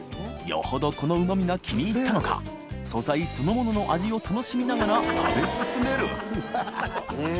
このうま味が気に入ったのか悩そのものの味を楽しみながら食べ進める淵船礇鵝うん。